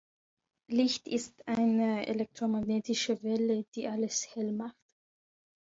Licht ist eine elektromagnetische Welle, die alles hell macht.